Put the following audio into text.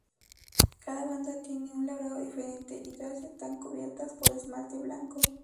Cada banda tiene un labrado diferente y todas están cubiertas por esmalte blanco.